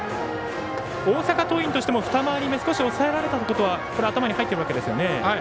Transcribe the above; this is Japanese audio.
大阪桐蔭としても二回り目少し抑えられたことは頭に入っているわけですよね。